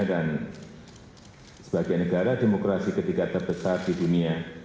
dan sebagai negara demokrasi ketiga terbesar di dunia